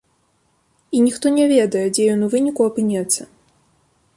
І ніхто не ведае, дзе ён у выніку апынецца.